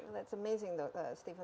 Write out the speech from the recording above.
oke itu sangat luar biasa steven